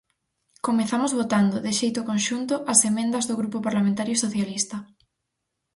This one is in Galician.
Comezamos votando, de xeito conxunto, as emendas do Grupo Parlamentario Socialista.